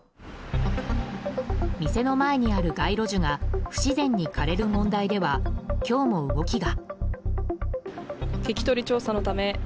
店の前にある街路樹が不自然に枯れる問題では今日も動きが。